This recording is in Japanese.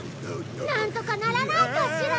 なんとかならないかしら。